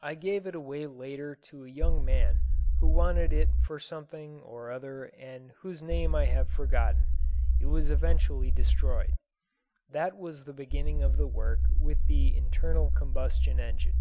I gave it away later to a young man who wanted it for something or other and whose name I have forgotten; it was eventually destroyed. That was the beginning of the work with the internal combustion engine.